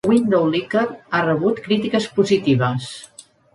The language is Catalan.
"Windowlicker" ha rebut crítiques positives.